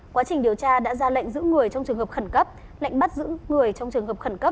quá trình điều tra đã ra lệnh giữ người trong trường hợp khẩn cấp lệnh bắt giữ người trong trường hợp khẩn cấp